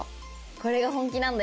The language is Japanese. これが本気なんだ